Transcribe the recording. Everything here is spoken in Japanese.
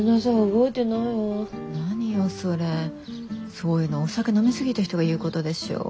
そういうのお酒飲み過ぎた人が言うことでしょ？